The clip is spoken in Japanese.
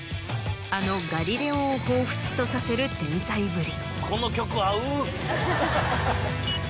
あのガリレオをほうふつとさせる天才ぶり。